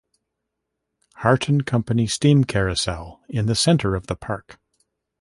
Harton Company steam carousel in the center of the park.